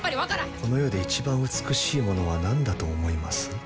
この世で一番美しいものは何だと思います？